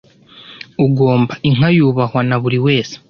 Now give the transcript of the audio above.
ugomba inka yubahwa na buri wese